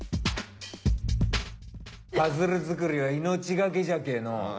パズル作りは命懸けじゃけえのう。